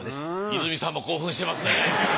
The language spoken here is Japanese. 泉さんも興奮してますね。